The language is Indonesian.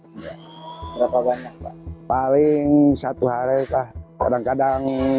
paling satu hari sah kadang kadang nyampe tiga puluh karung dua puluh lima karung harganya di sini diambil oleh